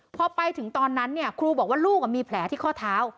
พอไปถึงตอนนั้นครูบอกว่าลูกมีแผลที่ข้อเท้า